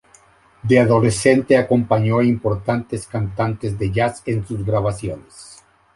De adolescente acompañó a importantes cantantes de jazz en sus grabaciones.